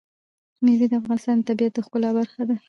مېوې د افغانستان د طبیعت د ښکلا برخه ده.